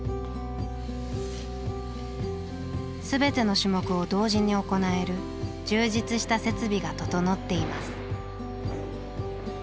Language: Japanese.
全ての種目を同時に行える充実した設備が整っています。